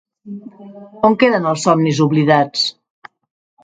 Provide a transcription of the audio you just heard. On queden els somnis oblidats?